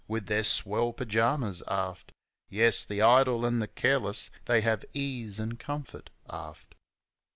With their swell pyjamas, aft Yes! the idle and the careless, they have ease an' comfort aft.